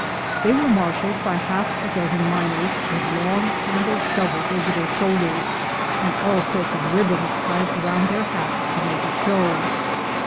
They were marshalled by half a dozen miners, with long handled shovels over their shoulders, and all sorts of ribbons tied round their old hats to make a show.